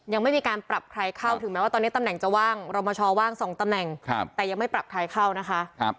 ยังไม่มีการปรับใครเข้าถึงแม้ว่าตอนนี้ตำแหน่งจะว่างรมชว่าง๒ตำแหน่งแต่ยังไม่ปรับใครเข้านะคะ